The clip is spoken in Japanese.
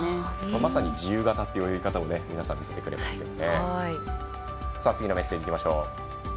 まさに自由形という泳ぎを皆さん見せてくれますね。